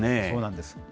そうなんです。